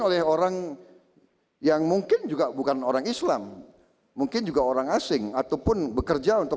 oleh orang yang mungkin juga bukan orang islam mungkin juga orang asing ataupun bekerja untuk